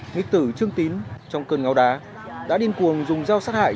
nghịch tử trương tín trong cơn ngáo đá đã điên cuồng dùng giao sát hại